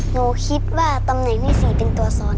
หนูคิดว่าตำแหน่งที่๔เป็นตัวซ้อน